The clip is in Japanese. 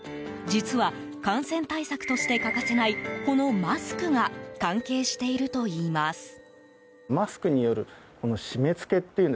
実は、感染対策として欠かせないこのマスクが関係しているといいます。